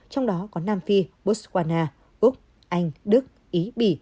trong đó có nam phi botswana úc anh đức ý bỉ